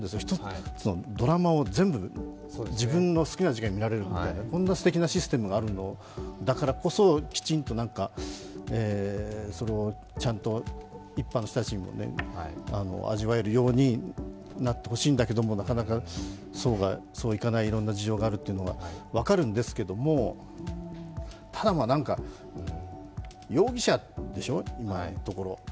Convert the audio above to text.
一つのドラマを全部自分の好きな時間に見られるみたいなこんなすてきなシステムがあるのだからこそきちんとそれをちゃんと一般の人たちにも味わえるようになってほしいんだけれども、なかなかそういかないいろんな事情があるというのは分かるんですけども、ただ容疑者でしょ、今のところ。